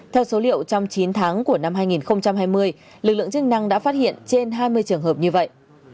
theo số liệu trong chín tháng của năm hai nghìn hai mươi lực lượng chức năng đã phát hiện trên hai mươi trường hợp như vậy